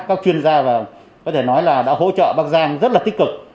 các chuyên gia có thể nói là đã hỗ trợ bắc giang rất là tích cực